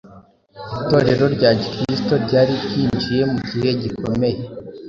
Itorero rya Gikristo ryari ryinjiye mu gihe gikomeye.